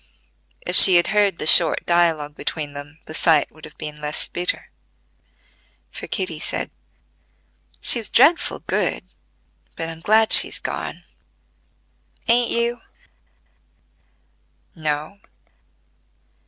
If she had heard the short dialogue between them, the sight would have been less bitter, for Kitty said: "She's dreadful good; but I'm glad she's gone: ain't you?" "No."